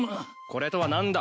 これとは。